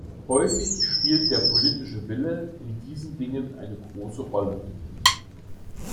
Häufig spielt der politische Wille in diesen Dingen eine große Rolle.